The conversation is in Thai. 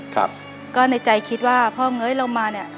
ครับก็ในใจคิดว่าพ่อเง้ยเรามาเนี่ย